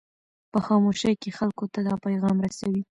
په خاموشۍ کې خلکو ته دا پیغام رسوي.